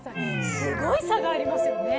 すごい差がありますよね。